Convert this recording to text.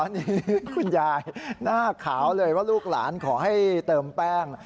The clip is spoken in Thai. นี่คุณยายหน้าขาวเลยว่าลูกหลานขอให้เติมแป้ง